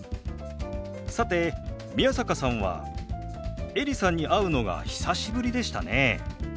さて宮坂さんはエリさんに会うのが久しぶりでしたね。